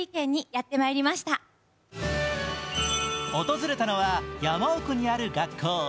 訪れたのは山奥にある学校